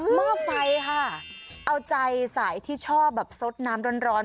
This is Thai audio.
ห้อไฟค่ะเอาใจสายที่ชอบแบบสดน้ำร้อน